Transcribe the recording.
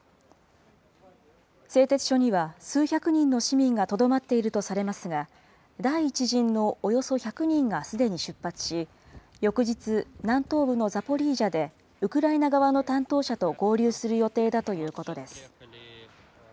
製鉄所には数百人の市民がとどまっているとされますが、第１陣のおよそ１００人がすでに出発し、翌日、南東部のザポリージャでウクライナ側の担当者と合流する予定だということです。